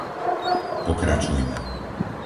Pokračujme.